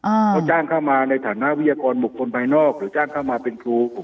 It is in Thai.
เขาจ้างเข้ามาในฐานะวิทยากรบุคคลภายนอกหรือจ้างเข้ามาเป็นครู